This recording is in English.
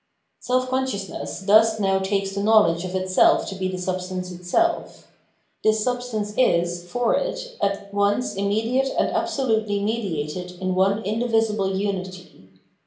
Self consciousness thus now takes the knowledge of itself to be the substance itself. This substance is, for it, at once immediate and absolutely mediated in one 608 609 Morality indivisible unity.